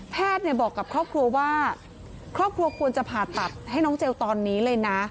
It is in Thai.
บอกกับครอบครัวว่าครอบครัวควรจะผ่าตัดให้น้องเจลตอนนี้เลยนะ